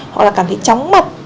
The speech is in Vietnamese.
hoặc là cảm thấy chóng mập